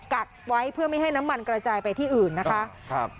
กักไว้เพื่อไม่ให้น้ำมันกระจายไปที่อื่นนะคะครับ